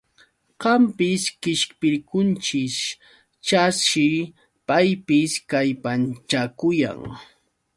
Qampis qishpirqunkish, chashi paypis kallpanchakuyan.